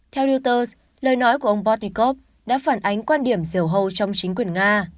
theo reuters lời nói của ông botnikov đã phản ánh quan điểm rìu hâu trong chính quyền nga